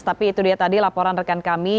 tapi itu dia tadi laporan rekan kami